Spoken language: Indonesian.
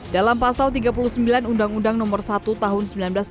dalam pasal tiga puluh sembilan undang undang nomor satu tahun seribu sembilan ratus sembilan puluh